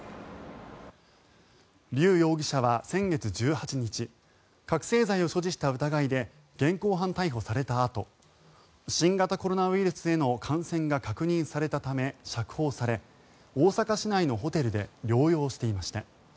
リュウ容疑者は先月１８日覚醒剤を所持した疑いで現行犯逮捕されたあと新型コロナウイルスへの感染が確認されたため釈放され、大阪市内のホテルで療養していました。